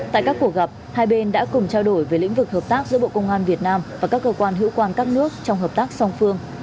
tại các cuộc gặp hai bên đã cùng trao đổi về lĩnh vực hợp tác giữa bộ công an việt nam và các cơ quan hữu quan các nước trong hợp tác song phương